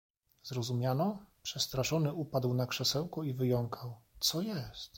"Zrozumiano?“ Przestraszony upadł na krzesełko i wyjąkał: „Co jest?"